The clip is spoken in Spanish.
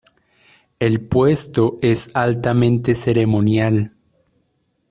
El puesto es altamente ceremonial.